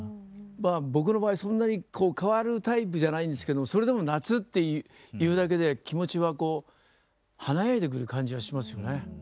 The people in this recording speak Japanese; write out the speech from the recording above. まあ僕の場合そんなにこう変わるタイプじゃないんですけどそれでも夏っていうだけで気持ちはこう華やいでくる感じはしますよね。